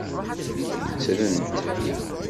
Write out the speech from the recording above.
Ttren-t.